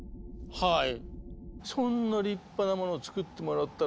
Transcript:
はい。